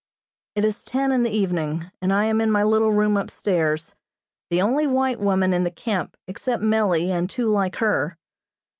It is ten in the evening and I am in my little room upstairs, the only white woman in the camp except Mellie and two like her.